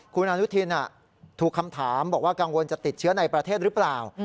คุณอนุทินถูกคำถามบอกว่ากังวลจะติดเชื้อในประเทศหรือเปล่า